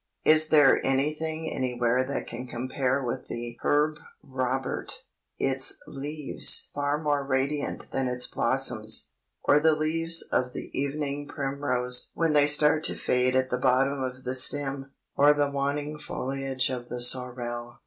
Is there anything anywhere that can compare with the Herb Robert, its leaves far more radiant than its blossoms; or the leaves of the evening primrose when they start to fade at the bottom of the stem; or the waning foliage of the sorrel?